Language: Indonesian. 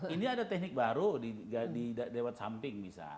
ini ada teknik baru di lewat samping bisa